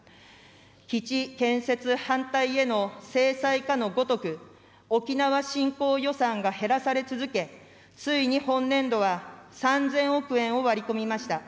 基地建設反対への制裁かのごとく、沖縄振興予算が減らされ続け、ついに本年度は３０００億円を割り込みました。